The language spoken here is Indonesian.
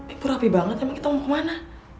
ibu rapi banget emang kita mau kemana